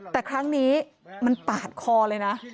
แต่ครั้งนี้มันปาดคอเลยนะ